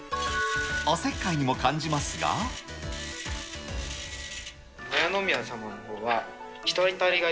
おせっかいにも感じますが。